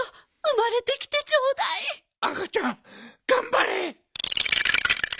あかちゃんがんばれ！